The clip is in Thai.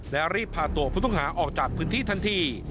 และรีบพาตัวผู้ต้องหาออกจากพื้นที่ทันที